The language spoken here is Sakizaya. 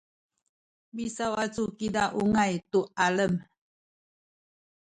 misawacu kiza ungay tu alem